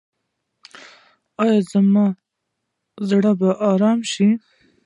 ایا زما زړه به ارام شي؟